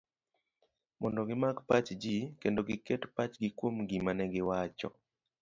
mondo gimak pach ji, kendo giket pachgi kuom gima negiwacho